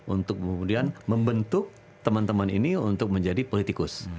untuk kemudian membentuk teman teman ini untuk menjadi politikus